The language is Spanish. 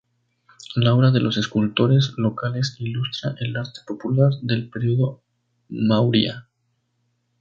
La obra de los escultores locales ilustra el arte popular del período Maurya.